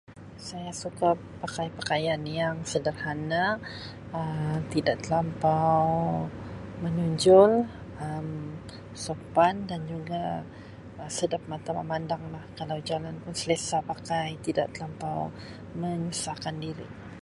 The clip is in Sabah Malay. Saya suka pakai pakaian yang sederhana Um tidak telampau menunjul Um sopan dan juga sedap mata memandang lah kalau jalan pun selesa pakai tidak telampau menyusahkan diri.